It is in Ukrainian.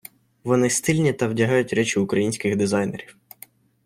Вони стильні та вдягають речі українських дизайнерів.